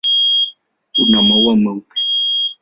Una maua meupe.